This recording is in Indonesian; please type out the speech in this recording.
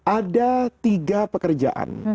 ada tiga pekerjaan